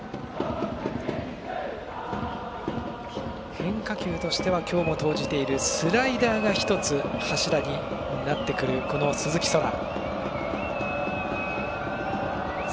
変化球としては今日も投じているスライダーが１つ柱になってくる、鈴木翔天。